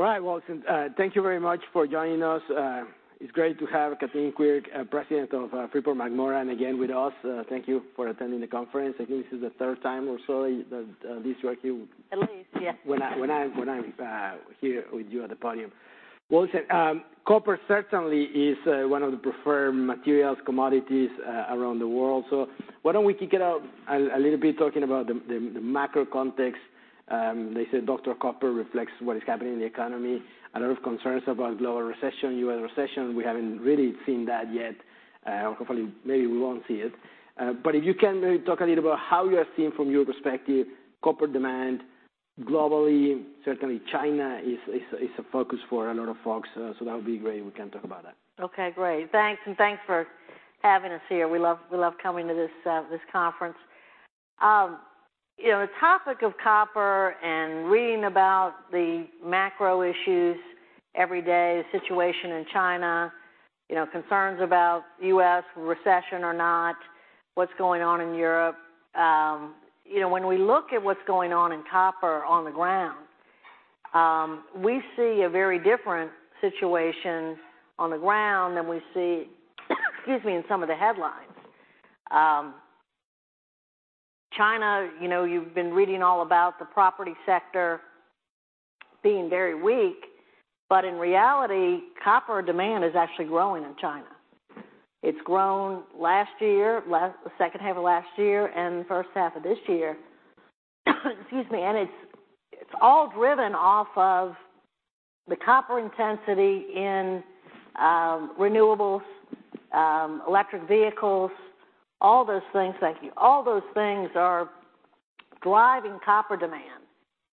All right, well, thank you very much for joining us. It's great to have Kathleen Quirk, President of Freeport-McMoRan, again, with us. Thank you for attending the conference. I think this is the third time or so that, this year, you- At least, yes. When I'm here with you at the podium. Well said, copper certainly is one of the preferred materials, commodities around the world. So why don't we kick it out a little bit, talking about the macro context? They say Dr. Copper reflects what is happening in the economy. A lot of concerns about global recession, U.S. recession. We haven't really seen that yet, hopefully, maybe we won't see it. But if you can maybe talk a little about how you are seeing, from your perspective, copper demand globally. Certainly, China is a focus for a lot of folks, so that would be great if we can talk about that. Okay, great. Thanks, and thanks for having us here. We love, we love coming to this, this conference. You know, the topic of copper and reading about the macro issues every day, the situation in China, you know, concerns about U.S. recession or not, what's going on in Europe. You know, when we look at what's going on in copper on the ground, we see a very different situation on the ground than we see, excuse me, in some of the headlines. China, you know, you've been reading all about the property sector being very weak, but in reality, copper demand is actually growing in China. It's grown last year, the second half of last year and the first half of this year. Excuse me, and it's, it's all driven off of the copper intensity in renewables, electric vehicles, all those things. Thank you. All those things are driving copper demand.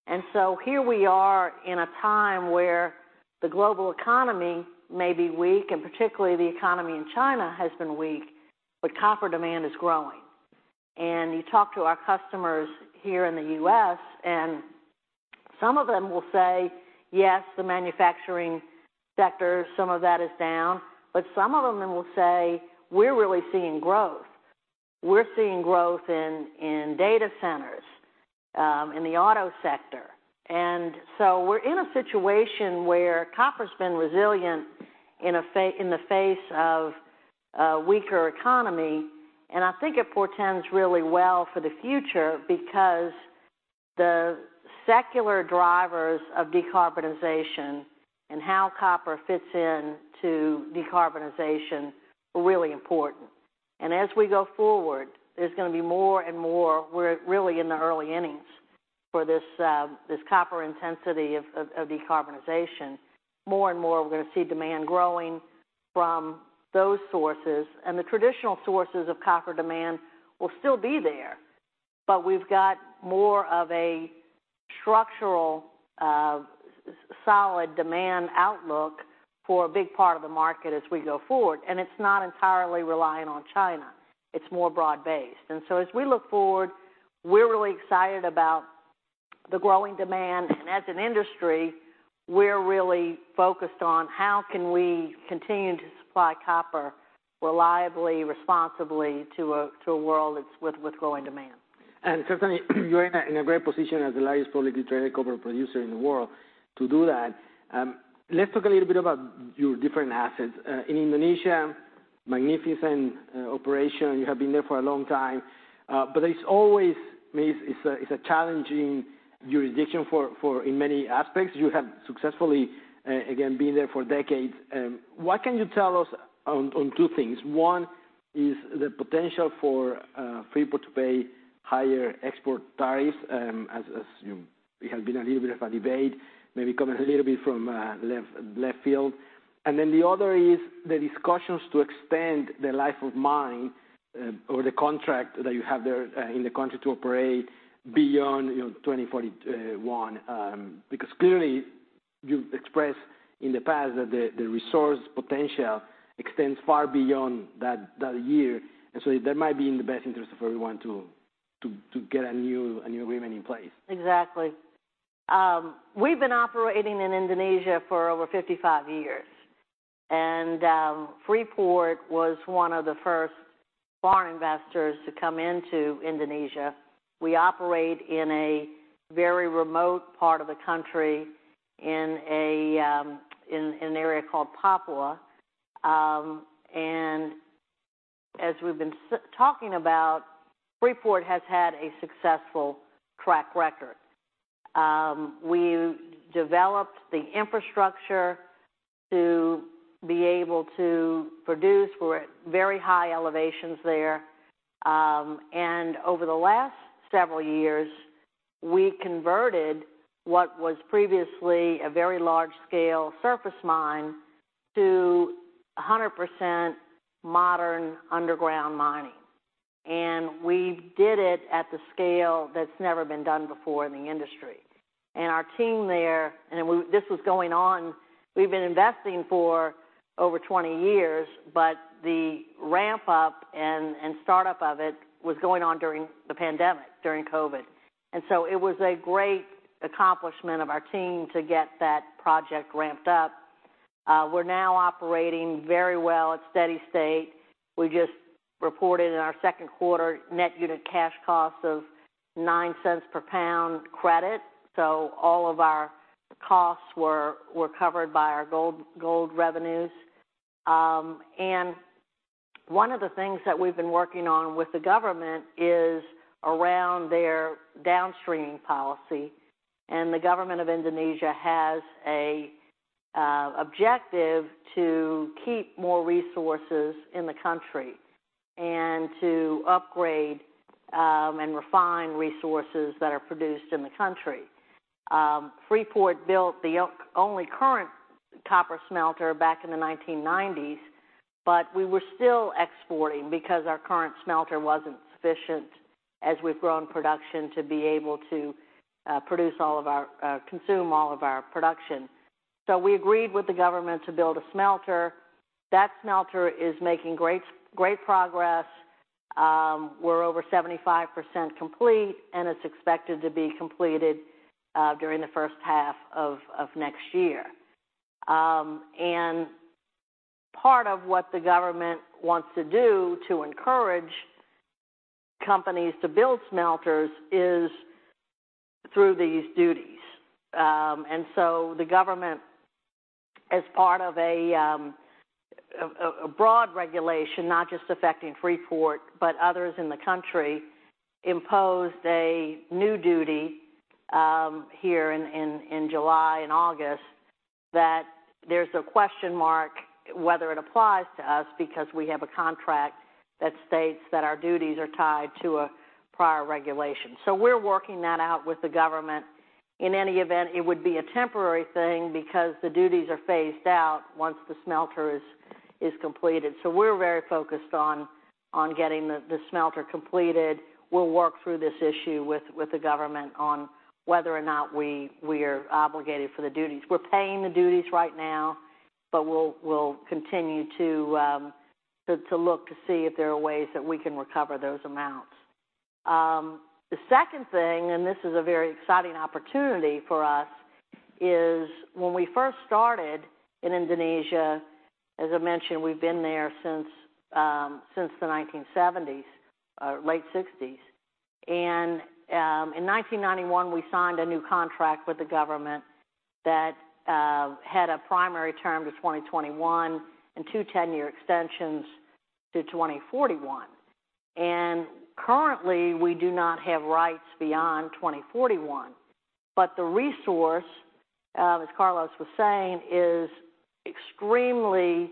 And so here we are in a time where the global economy may be weak, and particularly the economy in China has been weak, but copper demand is growing. And you talk to our customers here in the U.S., and some of them will say, "Yes, the manufacturing sector, some of that is down," but some of them then will say, "We're really seeing growth. We're seeing growth in data centers, in the auto sector." And so we're in a situation where copper's been resilient in the face of a weaker economy, and I think it portends really well for the future because the secular drivers of decarbonization and how copper fits in to decarbonization are really important. And as we go forward, there's going to be more and more... We're really in the early innings for this, this copper intensity of decarbonization. More and more, we're going to see demand growing from those sources, and the traditional sources of copper demand will still be there, but we've got more of a structural, solid demand outlook for a big part of the market as we go forward, and it's not entirely reliant on China. It's more broad-based. And so, as we look forward, we're really excited about the growing demand. And as an industry, we're really focused on: How can we continue to supply copper reliably, responsibly to a world that's with growing demand? And certainly, you're in a great position as the largest publicly traded copper producer in the world to do that. Let's talk a little bit about your different assets. In Indonesia, magnificent operation. You have been there for a long time, but it's always, I mean, it's a challenging jurisdiction for in many aspects. You have successfully, again, been there for decades. What can you tell us on two things? One is the potential for Freeport to pay higher export tariffs, as you... There has been a little bit of a debate, maybe coming a little bit from left field. And then the other is the discussions to extend the life of mine, or the contract that you have there, in the country to operate beyond, you know, 2041. Because clearly you've expressed in the past that the resource potential extends far beyond that year. And so that might be in the best interest of everyone to get a new agreement in place. Exactly. We've been operating in Indonesia for over 55 years, and Freeport was one of the first foreign investors to come into Indonesia. We operate in a very remote part of the country, in an area called Papua. And as we've been talking about, Freeport has had a successful track record. We've developed the infrastructure to be able to produce. We're at very high elevations there. And over the last several years, we converted what was previously a very large-scale surface mine to 100% modern underground mining, and we did it at the scale that's never been done before in the industry. And our team there, and this was going on. We've been investing for over 20 years, but the ramp-up and startup of it was going on during the pandemic, during COVID. And so it was a great accomplishment of our team to get that project ramped up. We're now operating very well at steady state. We just reported in our second quarter net unit cash costs of $0.09 per pound credit. So all of our costs were covered by our gold revenues. And one of the things that we've been working on with the government is around their downstream policy. And the government of Indonesia has an objective to keep more resources in the country and to upgrade and refine resources that are produced in the country. Freeport built the only current copper smelter back in the 1990s, but we were still exporting because our current smelter wasn't sufficient, as we've grown production, to be able to produce all of our consume all of our production. So we agreed with the government to build a smelter. That smelter is making great, great progress. We're over 75% complete, and it's expected to be completed during the first half of next year. And part of what the government wants to do to encourage companies to build smelters is through these duties. And so the government, as part of a broad regulation, not just affecting Freeport, but others in the country, imposed a new duty here in July and August, that there's a question mark whether it applies to us because we have a contract that states that our duties are tied to a prior regulation. So we're working that out with the government. In any event, it would be a temporary thing because the duties are phased out once the smelter is completed. So we're very focused on getting the smelter completed. We'll work through this issue with the government on whether or not we are obligated for the duties. We're paying the duties right now, but we'll continue to look to see if there are ways that we can recover those amounts. The second thing, and this is a very exciting opportunity for us, is when we first started in Indonesia, as I mentioned, we've been there since the 1970s, late 1960s. And in 1991, we signed a new contract with the government that had a primary term to 2021 and two 10-year extensions to 2041. And currently, we do not have rights beyond 2041. But the resource, as Carlos was saying, is extremely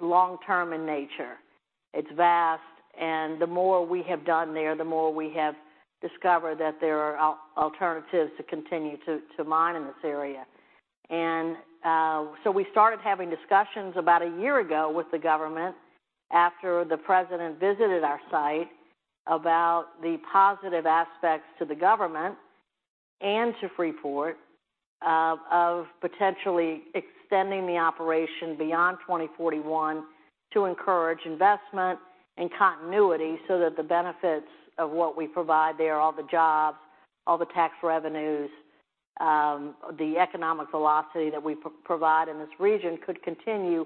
long-term in nature. It's vast, and the more we have done there, the more we have discovered that there are alternatives to continue to mine in this area. So we started having discussions about a year ago with the government after the president visited our site, about the positive aspects to the government and to Freeport, of potentially extending the operation beyond 2041 to encourage investment and continuity, so that the benefits of what we provide there, all the jobs, all the tax revenues, the economic velocity that we provide in this region, could continue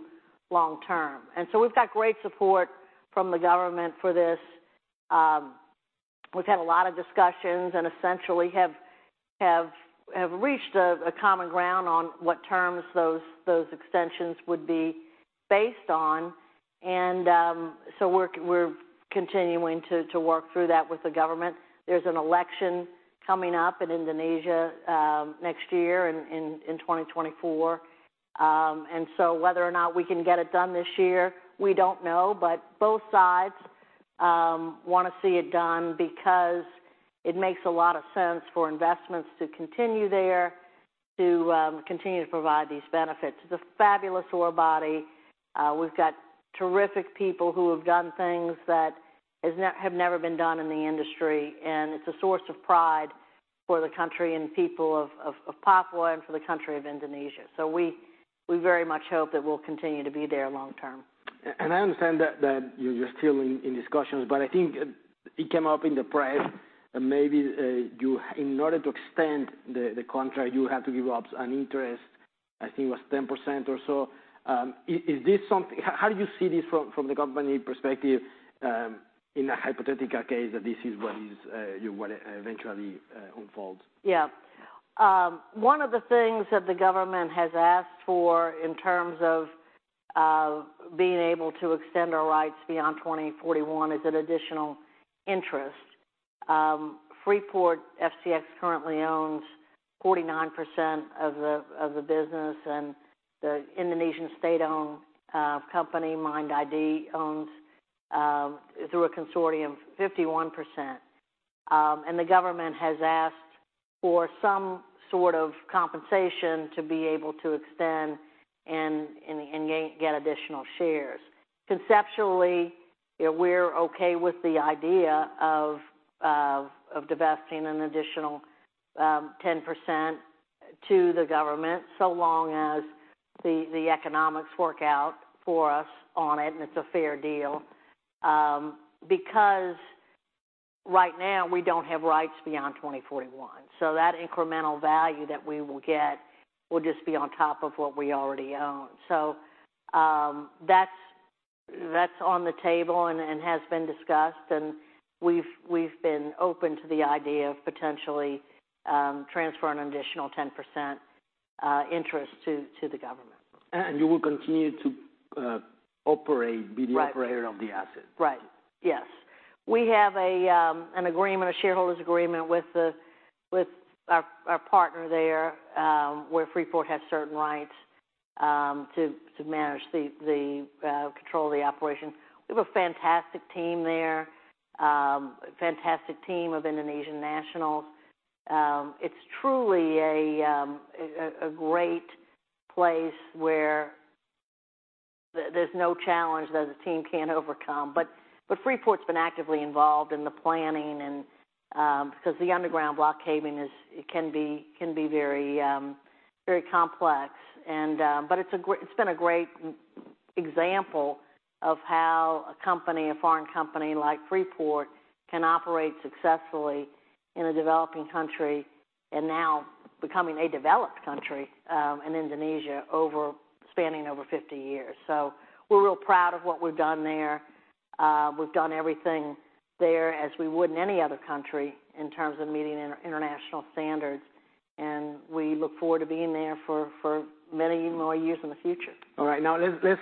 long term. So we've got great support from the government for this. We've had a lot of discussions and essentially have reached a common ground on what terms those extensions would be based on. So we're continuing to work through that with the government. There's an election coming up in Indonesia next year in 2024. And so whether or not we can get it done this year, we don't know. But both sides want to see it done because it makes a lot of sense for investments to continue there, to continue to provide these benefits. It's a fabulous ore body. We've got terrific people who have done things that have never been done in the industry, and it's a source of pride for the country and people of Papua and for the country of Indonesia. So we very much hope that we'll continue to be there long term. I understand that you're still in discussions, but I think it came up in the press that maybe you, in order to extend the contract, you have to give up an interest, I think it was 10% or so. Is this something—how do you see this from the company perspective, in a hypothetical case that this is what eventually unfolds? Yeah. One of the things that the government has asked for in terms of being able to extend our rights beyond 2041 is an additional interest. Freeport, FCX currently owns 49% of the business, and the Indonesian state-owned company, MIND ID, owns through a consortium, 51%. And the government has asked for some sort of compensation to be able to extend and get additional shares. Conceptually, we're okay with the idea of divesting an additional 10% to the government, so long as the economics work out for us on it, and it's a fair deal. Because right now, we don't have rights beyond 2041, so that incremental value that we will get will just be on top of what we already own. So, that's on the table and has been discussed, and we've been open to the idea of potentially transferring an additional 10% interest to the government. And you will continue to operate- Right. Be the operator of the asset? Right. Yes. We have an agreement, a shareholders' agreement with our partner there, where Freeport has certain rights to manage the control of the operation. We have a fantastic team there, a fantastic team of Indonesian nationals. It's truly a great place where there's no challenge that the team can't overcome. But Freeport's been actively involved in the planning and, because the underground block caving is very complex and... But it's been a great example of how a company, a foreign company like Freeport, can operate successfully in a developing country, and now becoming a developed country, in Indonesia, spanning over 50 years. So we're real proud of what we've done there. We've done everything there as we would in any other country in terms of meeting international standards, and we look forward to being there for many more years in the future. All right, now, let's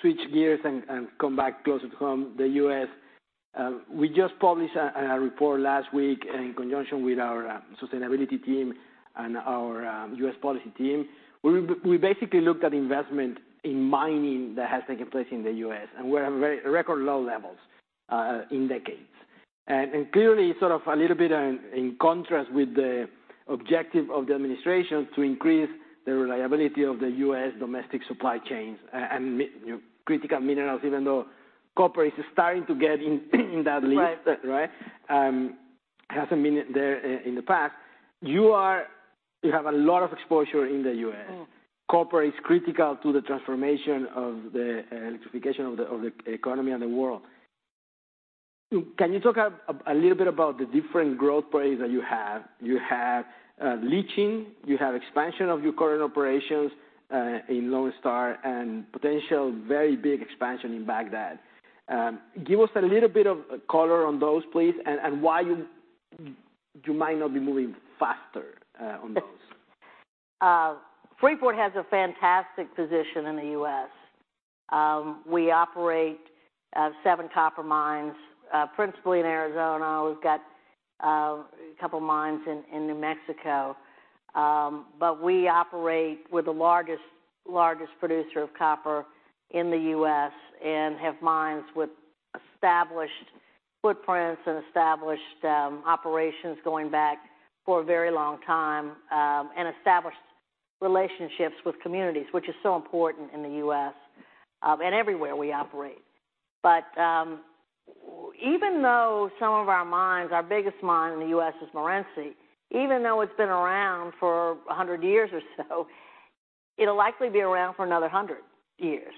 switch gears and come back closer to home, the U.S. We just published a report last week in conjunction with our sustainability team and our U.S. policy team, where we basically looked at investment in mining that has taken place in the U.S., and we're at very record low levels in decades. Clearly, sort of a little bit in contrast with the objective of the administration to increase the reliability of the U.S. domestic supply chains and, you know, critical minerals, even though copper is starting to get in that list- Right. Right? Hasn't been there in the past. You have a lot of exposure in the U.S. Mm. Copper is critical to the transformation of the electrification of the economy and the world. Can you talk a little bit about the different growth plays that you have? You have leaching, you have expansion of your current operations in Lone Star, and potential very big expansion in Bagdad. Give us a little bit of color on those, please, and why you might not be moving faster on those. Freeport has a fantastic position in the U.S. We operate seven copper mines principally in Arizona. We've got a couple mines in New Mexico. But we operate. We're the largest producer of copper in the U.S. and have mines with established footprints and established operations going back for a very long time, and established relationships with communities, which is so important in the U.S., and everywhere we operate. But even though some of our mines, our biggest mine in the U.S. is Morenci, even though it's been around for a hundred years or so, it'll likely be around for another hundred years.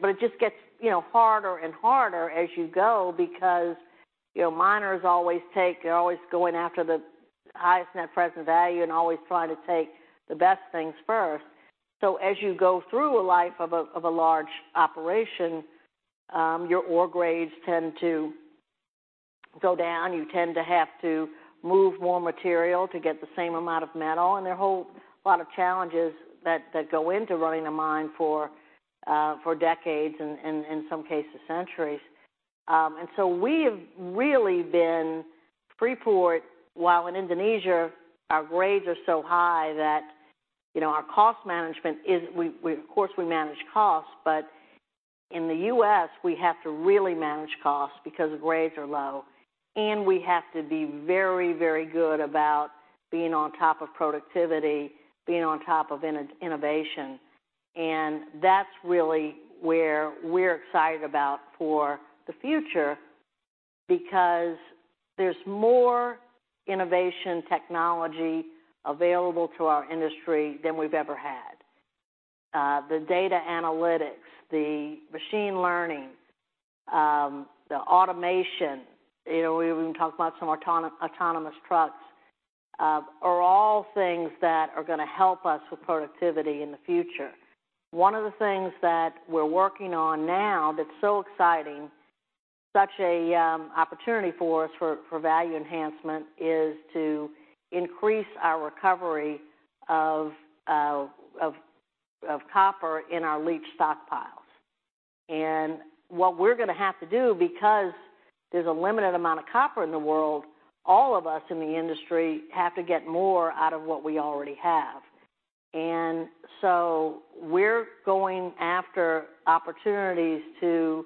But it just gets, you know, harder and harder as you go because, you know, miners always take, they're always going after the highest net present value and always try to take the best things first. So as you go through a life of a large operation, your ore grades tend to go down. You tend to have to move more material to get the same amount of metal, and there are a whole lot of challenges that go into running a mine for decades and, in some cases, centuries. And so we have really been, Freeport, while in Indonesia, our grades are so high that, you know, our cost management is. Of course, we manage costs, but in the U.S., we have to really manage costs because the grades are low, and we have to be very, very good about being on top of productivity, being on top of innovation. And that's really where we're excited about for the future, because there's more innovation technology available to our industry than we've ever had. The data analytics, the machine learning, the automation, you know, we even talked about some autonomous trucks, are all things that are going to help us with productivity in the future. One of the things that we're working on now that's so exciting, such a opportunity for us for value enhancement, is to increase our recovery of copper in our leach stockpiles. And what we're going to have to do, because there's a limited amount of copper in the world, all of us in the industry have to get more out of what we already have. And so we're going after opportunities to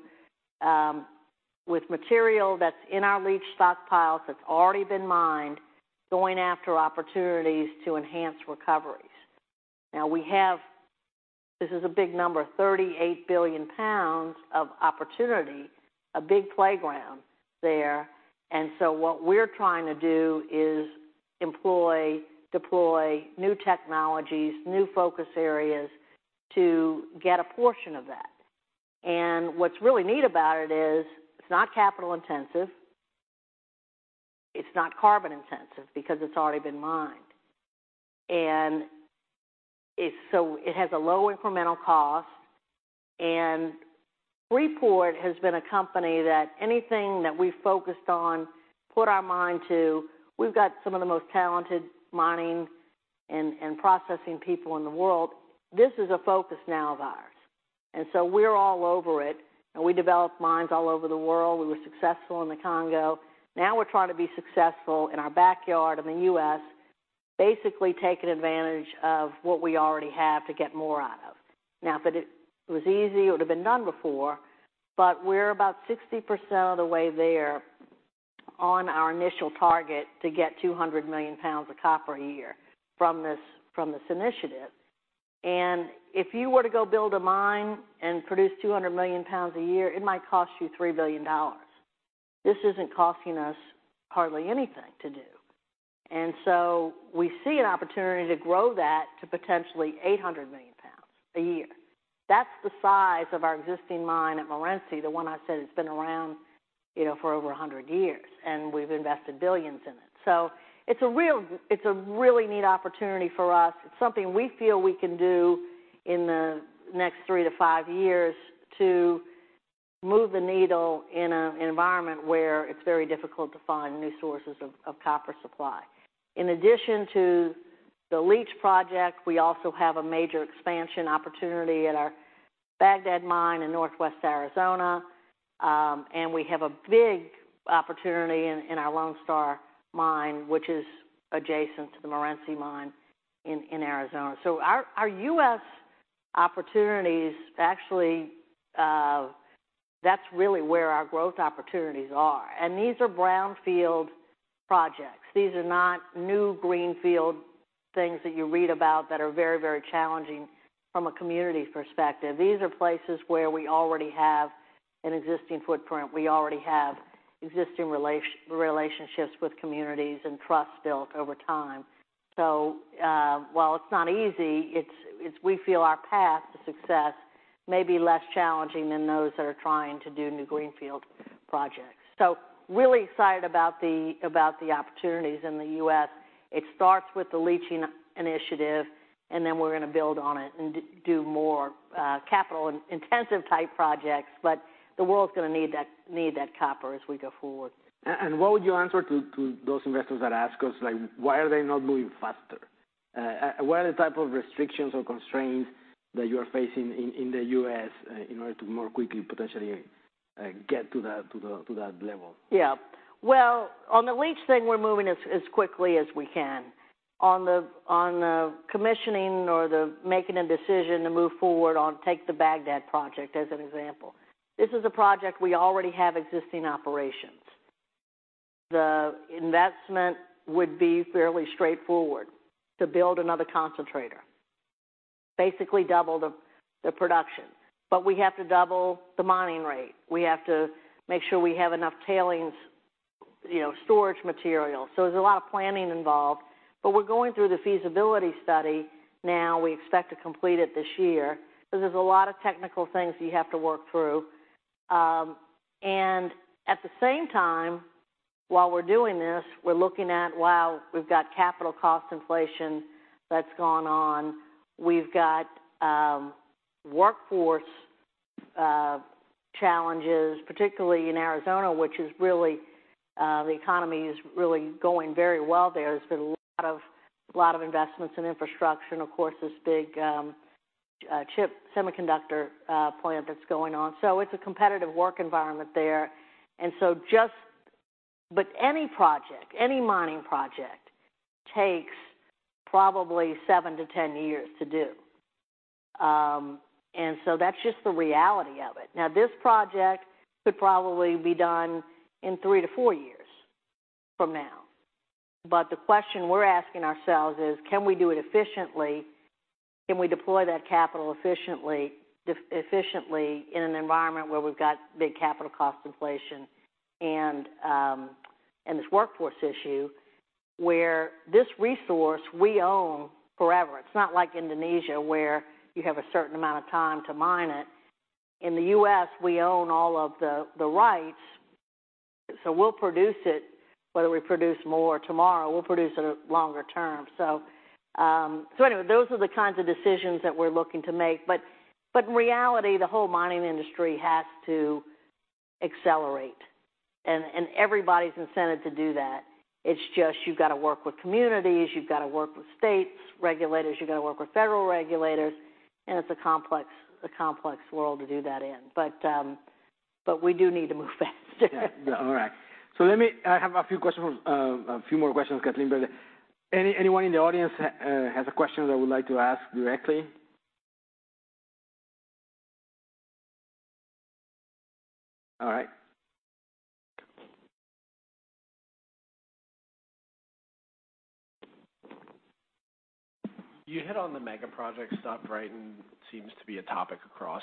with material that's in our leach stockpiles, that's already been mined, going after opportunities to enhance recoveries. Now, we have, this is a big number, 38 billion pounds of opportunity. A big playground there. And so what we're trying to do is employ, deploy new technologies, new focus areas, to get a portion of that. What's really neat about it is, it's not capital intensive, it's not carbon intensive, because it's already been mined. And it's so it has a low incremental cost. Freeport has been a company that anything that we've focused on, put our mind to, we've got some of the most talented mining and processing people in the world. This is a focus now of ours, and so we're all over it, and we develop mines all over the world. We were successful in the Congo. Now we're trying to be successful in our backyard, in the U.S., basically taking advantage of what we already have to get more out of. Now, if it was easy, it would've been done before, but we're about 60% of the way there on our initial target to get 200 million pounds of copper a year from this initiative. If you were to go build a mine and produce 200 million pounds a year, it might cost you $3 billion. This isn't costing us hardly anything to do. And so we see an opportunity to grow that to potentially 800 million pounds a year. That's the size of our existing mine at Morenci, the one I said has been around, you know, for over 100 years, and we've invested billions in it. So it's a really neat opportunity for us. It's something we feel we can do in the next three to five years to move the needle in an environment where it's very difficult to find new sources of copper supply. In addition to the leach project, we also have a major expansion opportunity at our Bagdad mine in northwest Arizona. And we have a big opportunity in our Lone Star mine, which is adjacent to the Morenci mine in Arizona. So our U.S. opportunities, actually, that's really where our growth opportunities are. And these are brownfield projects. These are not new greenfield things that you read about that are very, very challenging from a community perspective. These are places where we already have an existing footprint. We already have existing relationships with communities and trust built over time. So, while it's not easy, it's we feel our path to success may be less challenging than those that are trying to do new greenfield projects. So really excited about the opportunities in the U.S. It starts with the leaching initiative, and then we're gonna build on it and do more capital-intensive type projects, but the world's gonna need that, need that copper as we go forward. What would you answer to those investors that ask us, like, "Why are they not moving faster? What are the type of restrictions or constraints that you are facing in the U.S. in order to more quickly potentially get to that level? Yeah. Well, on the leach thing, we're moving as quickly as we can. On the commissioning or the making a decision to move forward on, take the Bagdad project as an example. This is a project we already have existing operations. The investment would be fairly straightforward to build another concentrator, basically double the production. But we have to double the mining rate. We have to make sure we have enough tailings, you know, storage material. So there's a lot of planning involved, but we're going through the feasibility study now. We expect to complete it this year. So there's a lot of technical things you have to work through. And at the same time, while we're doing this, we're looking at, wow, we've got capital cost inflation that's gone on. We've got workforce challenges, particularly in Arizona, which is really the economy is really going very well there. There's been a lot of investments in infrastructure and, of course, this big chip semiconductor plant that's going on. So it's a competitive work environment there. And so just but any project, any mining project, takes probably seven to 10 years to do. And so that's just the reality of it. Now, this project could probably be done in three to four years from now, but the question we're asking ourselves is: Can we do it efficiently? Can we deploy that capital efficiently in an environment where we've got big capital cost inflation and this workforce issue where this resource we own forever? It's not like Indonesia, where you have a certain amount of time to mine it. In the U.S., we own all of the rights, so we'll produce it. Whether we produce more tomorrow, we'll produce it longer term. So, anyway, those are the kinds of decisions that we're looking to make. But in reality, the whole mining industry has to accelerate, and everybody's incentive to do that. It's just, you've got to work with communities, you've got to work with states, regulators, you've got to work with federal regulators, and it's a complex world to do that in. But we do need to move faster. Yeah. All right. So let me... I have a few questions, a few more questions, Kathleen. But anyone in the audience has a question that would like to ask directly? All right.... You hit on the mega project stuff, right? And it seems to be a topic across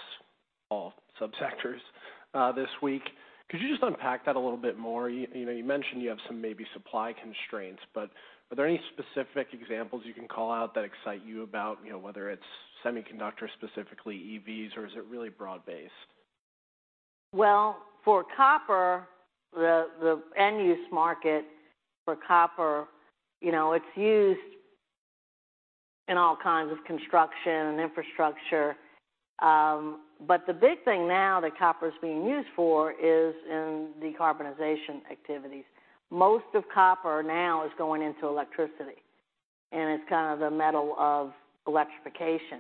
all subsectors, this week. Could you just unpack that a little bit more? You, you know, you mentioned you have some maybe supply constraints, but are there any specific examples you can call out that excite you about, you know, whether it's semiconductors, specifically EVs, or is it really broad-based? Well, for copper, the end-use market for copper, you know, it's used in all kinds of construction and infrastructure. But the big thing now that copper is being used for is in decarbonization activities. Most of copper now is going into electricity, and it's kind of the metal of electrification.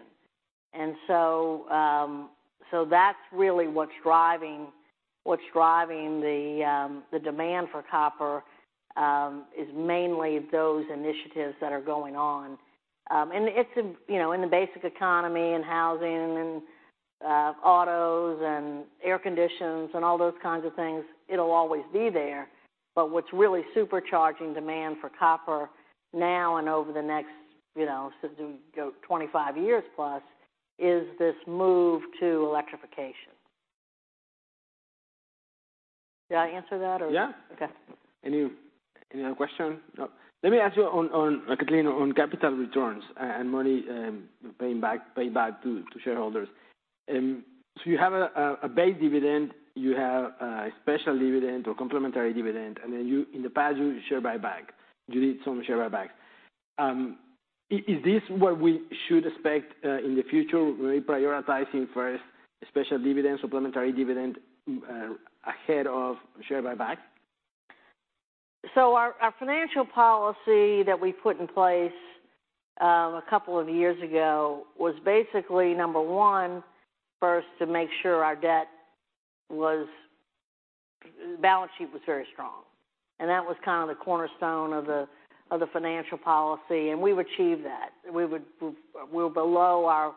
And so, that's really what's driving the demand for copper is mainly those initiatives that are going on. And it's in, you know, in the basic economy and housing and autos and air conditions and all those kinds of things, it'll always be there. But what's really supercharging demand for copper now and over the next, you know, say, 25 years plus, is this move to electrification. Did I answer that or- Yeah. Okay. Any other question? No. Let me ask you on Kathleen on capital returns and money paying back to shareholders. So you have a base dividend, you have a special dividend or complimentary dividend, and then you in the past you share buyback. You did some share buybacks. Is this what we should expect in the future, reprioritizing first special dividends, supplementary dividend ahead of share buyback? So our financial policy that we put in place a couple of years ago was basically, number one, first, to make sure our balance sheet was very strong. And that was kind of the financial policy, and we've achieved that. We're below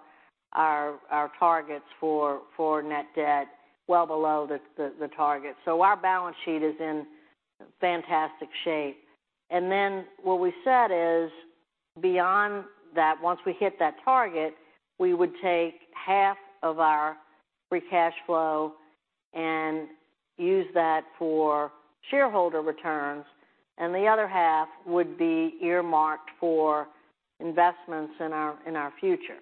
our targets for net debt, well below the target. So our balance sheet is in fantastic shape. And then what we said is, beyond that, once we hit that target, we would take half of our free cash flow and use that for shareholder returns, and the other half would be earmarked for investments in our future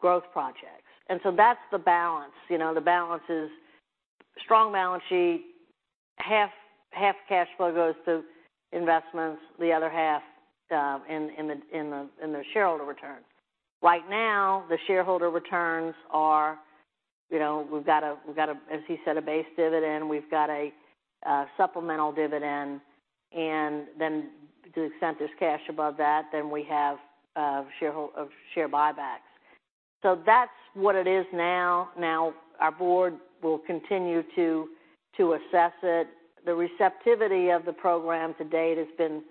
growth projects. And so that's the balance. You know, the balance is strong balance sheet, half cash flow goes to investments, the other half in the shareholder returns. Right now, the shareholder returns are, you know, we've got a, as you said, a base dividend, we've got a supplemental dividend, and then to the extent there's cash above that, then we have share buybacks. So that's what it is now. Now, our board will continue to assess it. The receptivity of the program to date has been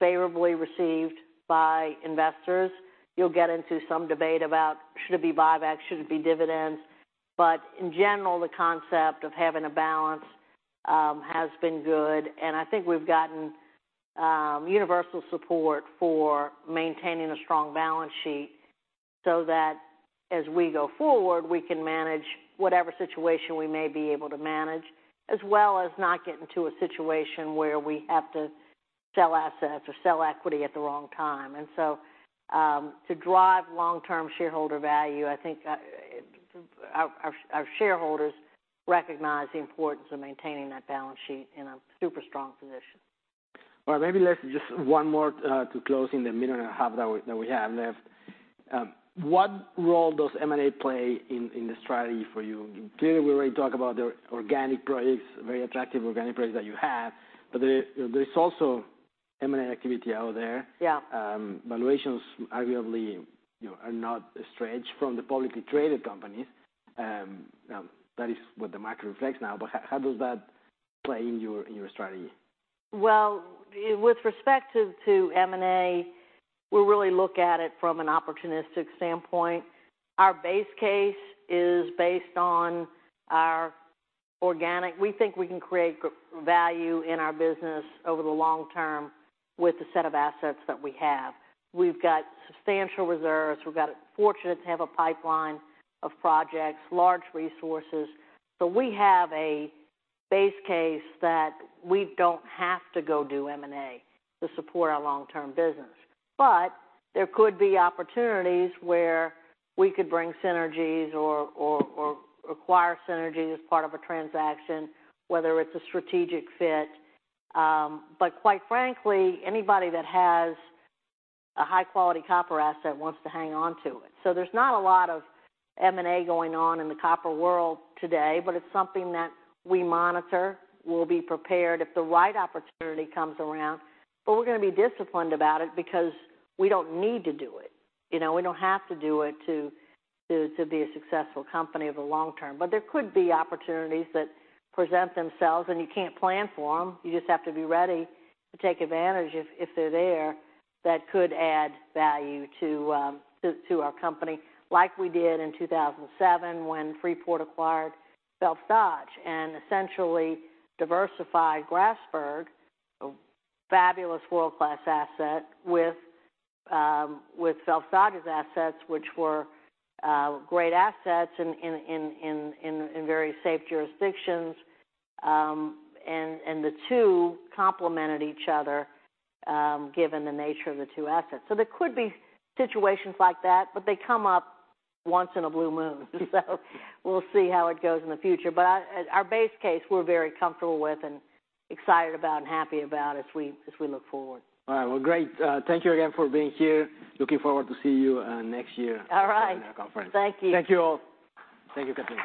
favorably received by investors. You'll get into some debate about should it be buybacks, should it be dividends? But in general, the concept of having a balance has been good, and I think we've gotten universal support for maintaining a strong balance sheet so that as we go forward, we can manage whatever situation we may be able to manage, as well as not get into a situation where we have to sell assets or sell equity at the wrong time. And so, to drive long-term shareholder value, I think our shareholders recognize the importance of maintaining that balance sheet in a super strong position. Well, maybe let's just one more, to close in the 1.5 minutes that we, that we have left. What role does M&A play in the strategy for you? Clearly, we already talked about the organic growth, very attractive organic growth that you have, but there is also M&A activity out there. Yeah. Valuations arguably, you know, are not stretched from the publicly traded companies. Now, that is what the market reflects now, but how does that play in your strategy? Well, with respect to M&A, we really look at it from an opportunistic standpoint. Our base case is based on our organic. We think we can create value in our business over the long term with the set of assets that we have. We've got substantial reserves. We've got fortunate to have a pipeline of projects, large resources. So we have a base case that we don't have to go do M&A to support our long-term business. But there could be opportunities where we could bring synergies or acquire synergies as part of a transaction, whether it's a strategic fit. But quite frankly, anybody that has a high-quality copper asset wants to hang on to it. So there's not a lot of M&A going on in the copper world today, but it's something that we monitor. We'll be prepared if the right opportunity comes around, but we're going to be disciplined about it because we don't need to do it. You know, we don't have to do it to be a successful company over the long term. But there could be opportunities that present themselves, and you can't plan for them. You just have to be ready to take advantage if they're there, that could add value to our company, like we did in 2007, when Freeport acquired Phelps Dodge, and essentially diversified Grasberg, a fabulous world-class asset, with Phelps Dodge's assets, which were great assets in very safe jurisdictions. And the two complemented each other, given the nature of the two assets. So there could be situations like that, but they come up once in a blue moon. So we'll see how it goes in the future. But our base case, we're very comfortable with and excited about and happy about as we, as we look forward. All right, well, great. Thank you again for being here. Looking forward to see you next year. All right. at the conference. Thank you. Thank you all. Thank you, Kathleen.